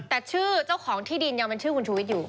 แต่ชื่อเจ้าของที่ดินยังเป็นชื่อคุณชูวิทย์อยู่